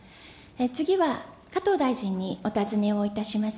次は加藤大臣にお尋ねをいたします。